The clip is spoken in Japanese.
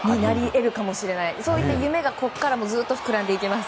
そういった夢がここからもずっと膨らみます。